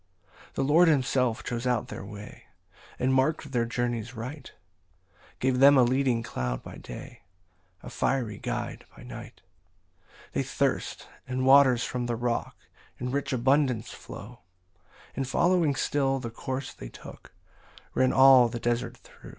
16 The Lord himself chose out their way, And mark'd their journies right, Gave them a leading cloud by day, A fiery guide by night. 17 They thirst; and waters from the rock In rich abundance flow, And following still the course they took, Ran all the desert thro'.